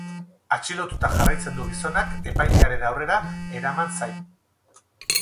Atxilotuta jarraitzen du gizonak, epailearen aurrera eraman zain.